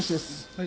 はい。